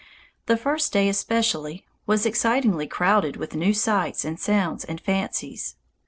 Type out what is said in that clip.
The first day, especially, was excitingly crowded with new sights and sounds and fancies.